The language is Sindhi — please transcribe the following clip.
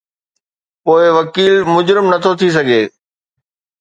پوءِ وڪيل مجرم نٿو ٿي سگهي؟